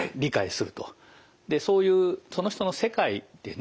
でそういうその人の世界ですね